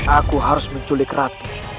aku harus menculik ratu